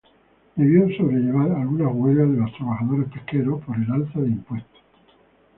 Debió sobrellevar algunas huelgas de los trabajadores pesqueros por el alza de impuestos.